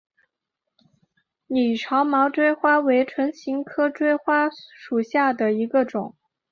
拟长毛锥花为唇形科锥花属下的一个种。